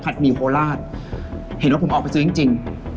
สนุกสนุกสนุกสนุก